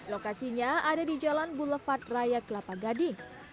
lokasinya ada di jalan boulevard raya kelapa gading